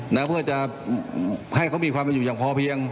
นะเพื่อจะให้เขามีความเป็นอยู่อย่างพอเพียง